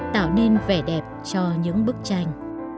tạo nên vẻ đẹp cho những bức tranh